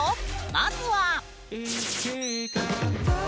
まずは。